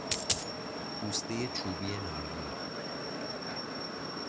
پوستهی چوبی نارگیل